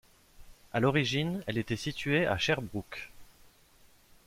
À l'origine, elle était située à Sherbrooke.